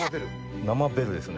生ベルですね。